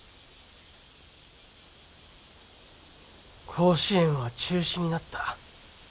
甲子園は中止になった。